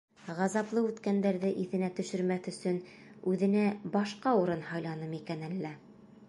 Ғазаплы үткәндәрҙе иҫенә төшөрмәҫ өсөн, үҙенә башҡа урын һайланымы икән әллә?